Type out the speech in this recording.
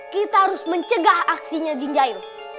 kita harus mencegah aksinya jin jahil